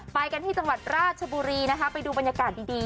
ไปกันที่จังหวัดราชบุรีนะคะไปดูบรรยากาศดี